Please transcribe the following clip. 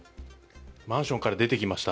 マンションから出てきました。